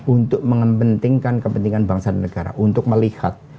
untuk mengpentingkan kepentingan bangsa dan negara